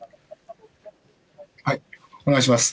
はい、お願いします。